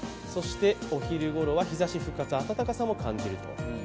お昼ごろは日ざし復活、暖かさも感じると。